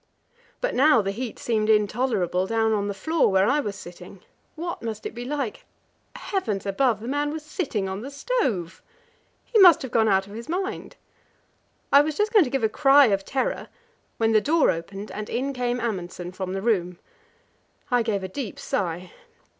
But now the heat seemed intolerable down on the floor, where I was sitting; what must it be like heavens above, the man was sitting on the stove! He must have gone out of his mind. I was just going to give a cry of terror, when the door opened, and in came Amundsen from the room. I gave a deep sigh.